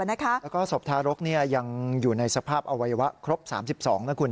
แล้วก็ศพทารกยังอยู่ในสภาพอวัยวะครบ๓๒นะคุณ